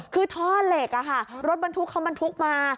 คือท่อเหล็กรถบรรทุกเขาบรรทุกมา